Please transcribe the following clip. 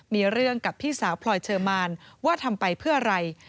มีเรื่องกับพี่สาวพลอยเชอร์มานว่าทำไปเพื่ออะไร